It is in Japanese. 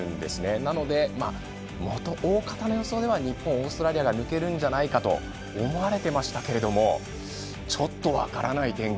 なので、大方の予想では日本、オーストラリアが抜けるんじゃないかと思われていたんですけどちょっと分からない展開。